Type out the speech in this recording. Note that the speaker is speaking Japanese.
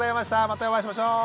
またお会いしましょう。